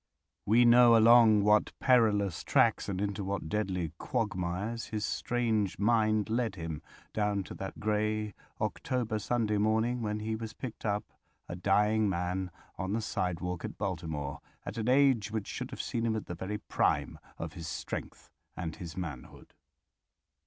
We know along what perilous tracks and into what deadly quagmires his strange mind led him, down to that grey October Sunday morning when he was picked up, a dying man, on the side walk at Baltimore, at an age which should have seen him at the very prime of his strength and his manhood.